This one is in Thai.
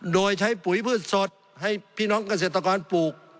โดยใช้ปุ๋ยพืชสดให้พี่น้องเกษตรกรปลูก